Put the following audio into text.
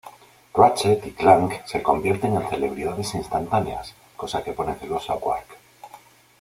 Ratchet y Clank se convierten en celebridades instantáneas, cosa que pone celoso a Qwark.